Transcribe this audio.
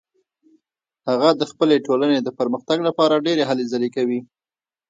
هغه د خپلې ټولنې د پرمختګ لپاره ډیرې هلې ځلې کوي